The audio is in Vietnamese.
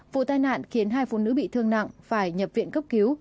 vụ tai nạn khiến hai phụ nữ bị thương nặng phải nhập viện cấp cứu